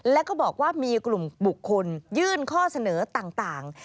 แล้วก็บอกว่ามีกลุ่มบุคคลยื่นข้อเสนอต่าง